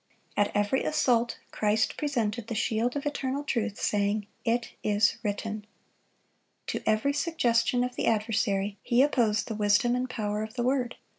At every assault, Christ presented the shield of eternal truth, saying, "It is written." To every suggestion of the adversary, He opposed the wisdom and power of the Word.